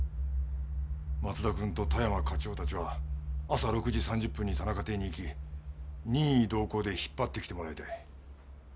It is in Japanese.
松田君と田山課長たちは朝６時３０分に田中邸に行き任意同行で引っ張ってきてもらいたい。